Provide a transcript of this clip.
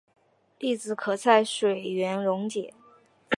粒子可在水源溶解。